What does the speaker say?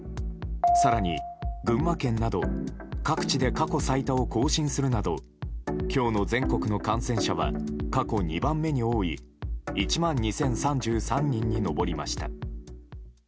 更に、群馬県など各地で過去最多を更新するなど今日の全国の感染者は過去２番目に多い１万２０３３人に上りました。